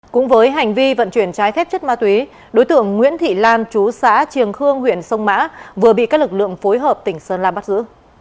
cũng với hành vi vận chuyển trái phép chất ma túy đối tượng nguyễn thị lan chú xã triềng khương huyện sông mã vừa bị các lực lượng phối hợp tỉnh sơn la bắt giữ